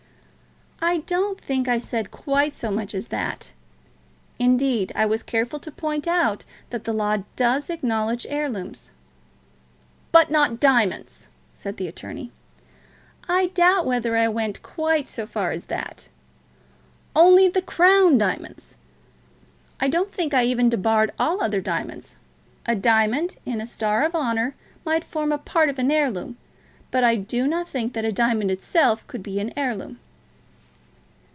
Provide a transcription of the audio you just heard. "I don't think I said quite so much as that. Indeed, I was careful to point out that the law does acknowledge heirlooms." "But not diamonds," said the attorney. "I doubt whether I went quite so far as that." "Only the Crown diamonds." "I don't think I ever debarred all other diamonds. A diamond in a star of honour might form a part of an heirloom; but I do not think that a diamond itself could be an heirloom."